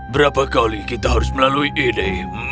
berapa kali kita harus melalui ide